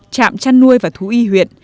trạm chăn nuôi và thú y huyện